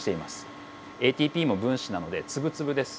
ＡＴＰも分子なので粒々です。